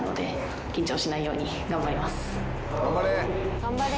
頑張れ！